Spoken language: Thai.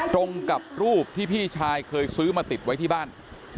ตรงกับรูปที่พี่ชายเคยซื้อมาติดไว้ที่บ้าน